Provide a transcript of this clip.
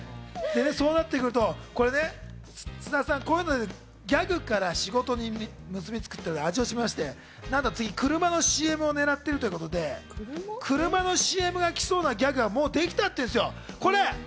そうなってくると津田さん、ギャグから仕事に結びつくっていうのに味をしめまして、なんと次、車のＣＭを狙っているということで、車のＣＭが来そうなギャグがもうできたっていうんですよ、これ。